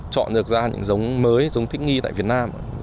chọn được ra những giống mới giống thích nghi tại việt nam